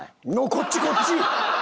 こっちこっち！